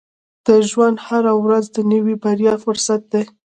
• د ژوند هره ورځ د نوې بریا فرصت دی.